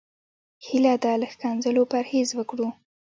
هيله ده له ښکنځلو پرهېز وکړو.